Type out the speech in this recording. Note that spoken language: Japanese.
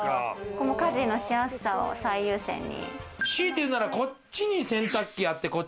家事のしやすさを最優先に。